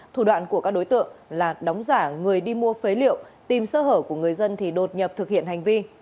thủ đoạn của các đối tượng là đóng giả người đi mua phế liệu tìm sơ hở của người dân thì đột nhập thực hiện hành vi